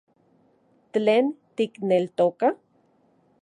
¿Tlen tikneltoka...?